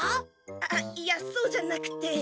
あっいやそうじゃなくて。